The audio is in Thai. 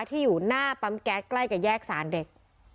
ที่อยู่หน้าปั๊มแก๊สใกล้กับแยกสารเด็ก